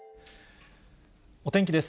お天気です。